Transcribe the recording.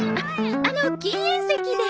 あの禁煙席で。